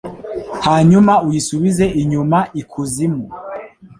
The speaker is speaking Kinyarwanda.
hanyuma uyisubize inyuma ikuzimu